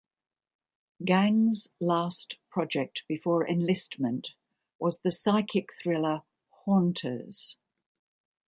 Gang's last project before enlistment was the psychic thriller "Haunters".